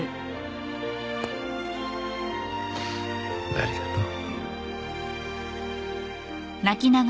ありがとう。